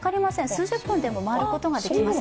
数十分で回ることができます。